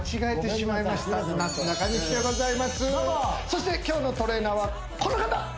そして今日のトレーナーはこの方！